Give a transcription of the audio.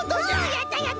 やったやった！